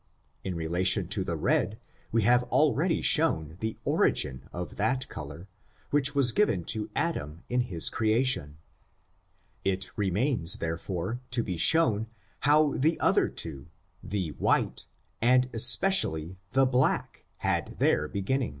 In relation to the rcrf, we have already shown the origin of that color, which was given to Adam in his creation; it remains therefore to be shown how the other two, the white, and especially the black, had their beginning.